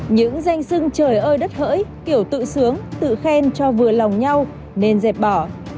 những danh sưng trời ơi đất hỡi kiểu tự sướng tự khen cho vừa lòng nhau nên dẹp bỏ